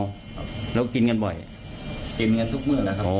ผมเมาก็กินกันบ่อยกินกันทุกมือเลยครับโอ้